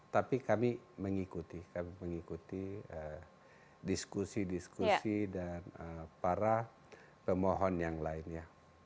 tapi kami mengikuti kami mengikuti diskusi diskusi dan para pemohon yang lainnya